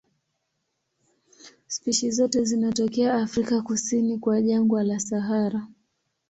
Spishi zote zinatokea Afrika kusini kwa jangwa la Sahara.